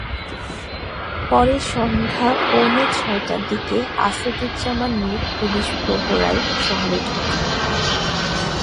পরে সন্ধ্যা পৌনে ছয়টার দিকে আসাদুজ্জামান নূর পুলিশ প্রহরায় শহরে ঢোকেন।